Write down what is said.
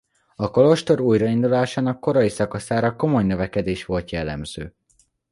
A kolostor újraindulásának korai szakaszára komoly növekedés volt jellemző.